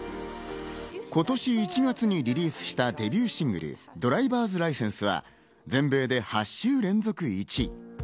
今年１月にリリースしたデビューシングル、『ｄｒｉｖｅｒｓｌｉｃｅｎｓｅ』は全米で８週連続１位。